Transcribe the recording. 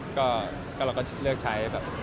ก็เราก็เลือกใช้แบบ